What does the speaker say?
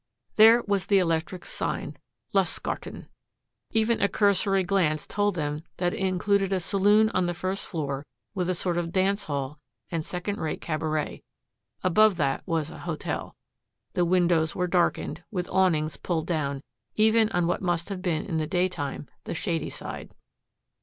There was the electric sign "Lustgarten." Even a cursory glance told them that it included a saloon on the first floor, with a sort of dance hall and second rate cabaret. Above that was a hotel. The windows were darkened, with awnings pulled down, even on what must have been in the daytime the shady side.